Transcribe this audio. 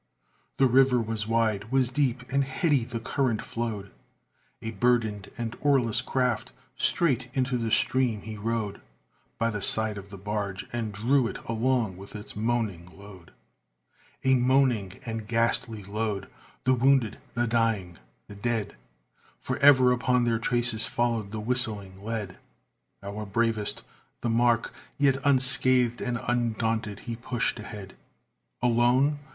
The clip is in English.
The river was wide, was deep, and heady the current flowed, A burdened and oarless craft! straight into the stream he rode By the side of the barge, and drew it along with its moaning load. A moaning and ghastly load the wounded the dying the dead! For ever upon their traces followed the whistling lead, Our bravest the mark, yet unscathed and undaunted, he pushed ahead. Alone?